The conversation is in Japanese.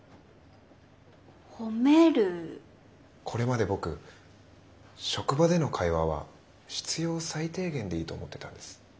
これまで僕職場での会話は必要最低限でいいと思ってたんです。